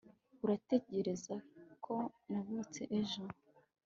uratekereza ko navutse ejo